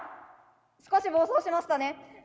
少し暴走しましたね。